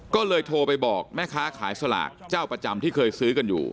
ก็เลยโทรไปบอกแม่ค้าขายสลากเจ้าประจำที่เคยซื้อกันอยู่